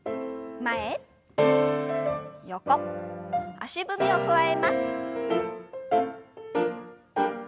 足踏みを加えます。